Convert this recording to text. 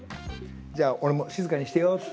じゃあ俺も静かにしてようっと。